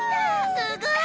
すごい！